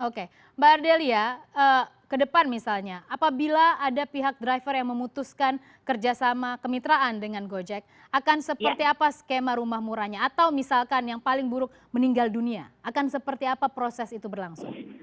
oke mbak ardelia ke depan misalnya apabila ada pihak driver yang memutuskan kerjasama kemitraan dengan gojek akan seperti apa skema rumah murahnya atau misalkan yang paling buruk meninggal dunia akan seperti apa proses itu berlangsung